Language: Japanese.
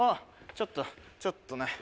ちょっとちょっとね。